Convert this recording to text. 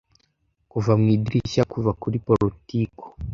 kuva mu idirishya kuva kuri portico